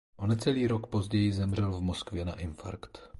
O necelý rok později zemřel v Moskvě na infarkt.